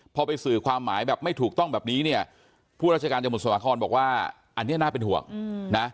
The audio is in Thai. พอไปสื่อความหมายแบบไม่ถูกต้องแบบนี้เนี่ยผู้ราชการจังหวัดสวรรครบอกว่าอันนี้น่าเป็นห่วงนะ